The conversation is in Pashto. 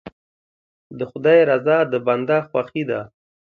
د خدای رضا د بنده خوښي ده.